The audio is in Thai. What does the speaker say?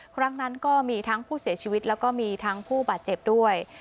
ครั้งนั้นก็มีทั้งผู้เสียชีวิตแล้วก็มีทั้งผู้บาดเจ็บด้วย